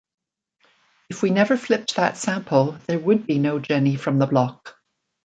If we never flipped that sample, there would be no Jenny From The Block.